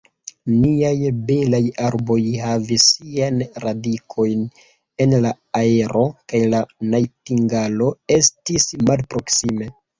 Niaj belaj arboj havis siajn radikojn en la aero, kaj la najtingalo estis malproksime.